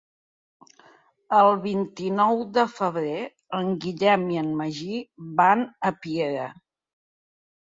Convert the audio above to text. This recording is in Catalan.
El vint-i-nou de febrer en Guillem i en Magí van a Piera.